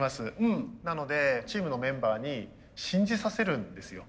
なのでチームのメンバーに信じさせるんですよ。